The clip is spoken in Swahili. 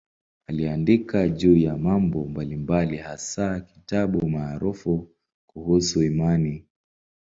Aliandika juu ya mambo mbalimbali, hasa kitabu maarufu kuhusu imani.